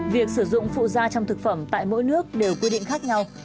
việc sử dụng phụ da trong thực phẩm tại mỗi nước đều quy định khác nhau